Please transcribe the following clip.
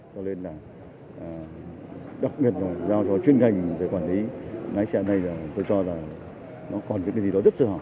cho nên là đặc biệt là do cho chuyên ngành để quản lý lái xe này là tôi cho là nó còn cái gì đó rất sợ